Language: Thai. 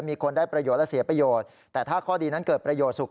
มีคนได้ประโยชน์และเสียประโยชน์แต่ถ้าข้อดีนั้นเกิดประโยชนสุข